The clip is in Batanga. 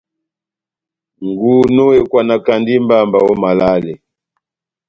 Ngunu ekwanakandi mbamba ό malale.